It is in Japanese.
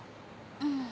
うん。